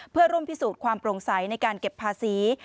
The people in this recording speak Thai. เพื่อร่วมพิสูจน์ความโปร่งใสในการเก็บภาษี